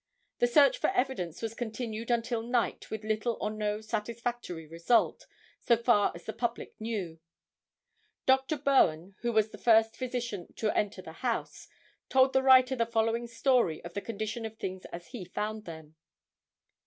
The search for evidence was continued until night with little or no satisfactory result, so far as the public knew. Dr. Bowen, who was the first physician to enter the house, told the writer the following story of the condition of things as he found them.